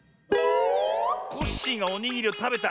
コッシーがおにぎりをたべた。